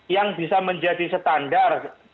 yang bisa menjadi standar